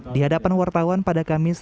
di hadapan wartawan pada kamis